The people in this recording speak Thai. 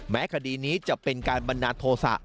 แม้คดีนี้จะเป็นการบรรณาโทษะ